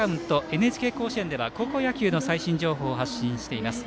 ＮＨＫ甲子園では高校野球の最新情報を発信しています。